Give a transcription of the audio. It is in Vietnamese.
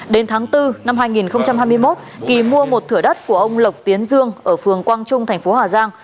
đến tháng bốn năm hai nghìn hai mươi một kỳ mua một thửa đất của ông lộc tiến dương ở phường quang trung thành phố hà giang